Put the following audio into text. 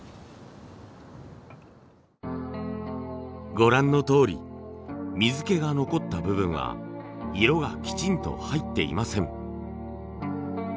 ご覧のとおり水気が残った部分は色がきちんと入っていません。